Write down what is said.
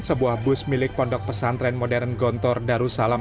sebuah bus milik pondok pesantren modern gontor darussalam